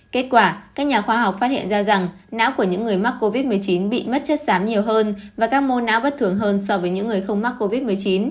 kết quả các nhà khoa học phát hiện ra rằng não của những người mắc covid một mươi chín bị mất chất xám nhiều hơn và các môn não bất thường hơn so với những người không mắc covid một mươi chín